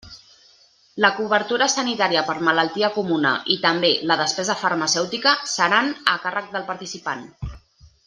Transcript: La cobertura sanitària per malaltia comuna, i també la despesa farmacèutica, seran a càrrec del participant.